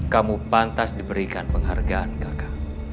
kamu pantas diberikan penghargaan kakak